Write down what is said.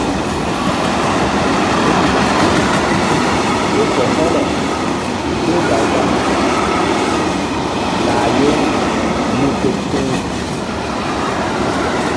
Nah lak huru ke he-hele seh za-zaŋ lah ye luu ke tuŋ.